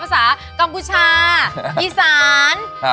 ภาษากัมพูชาอีสาน